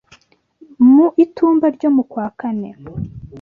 mu itumba ryo mu kwa kane